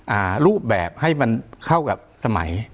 อ่ารูปแบบให้มันเข้ากับสมัย